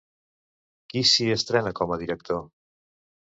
Qui s'hi estrena com a director?